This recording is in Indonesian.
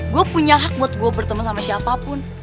gue punya hak buat gue bertemu sama siapapun